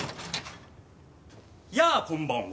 やあこんばんは。